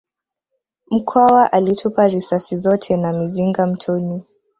Mkwawa alitupa risasi zote na mizinga mtoni